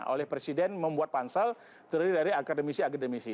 oleh presiden membuat pansal terdiri dari akademisi akademisi